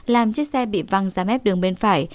làm chiếc xe bị văng ra mép đường bên phải